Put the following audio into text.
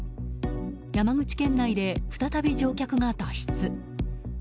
山口県内で再び乗客が脱出。